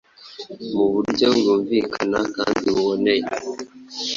mu buryo bwumvikana kandi buboneye.